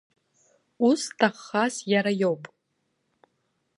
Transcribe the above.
Ус зҭаххаз иара иоуп.